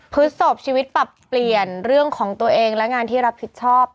พฤศพชีวิตปรับเปลี่ยนเรื่องของตัวเองและงานที่รับผิดชอบ